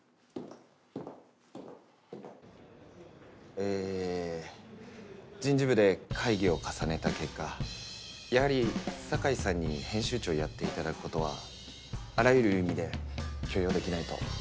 え人事部で会議を重ねた結果やはり境さんに編集長をやっていただくことはあらゆる意味で許容できないと。